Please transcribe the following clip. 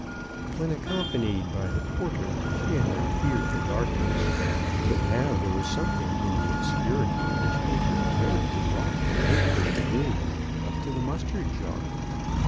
When accompanied by the MRS. brown's success. 1/ porter she had not feared the darkness, but now there was something in the obscurity which made her dread to walk the length of the room up to the mustard jar.